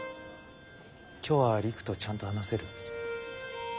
今日は璃久とちゃんと話せる？